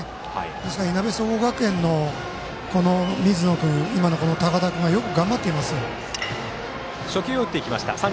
ですから、いなべ総合学園の水野君と、今の高田君がよく頑張っていますよ。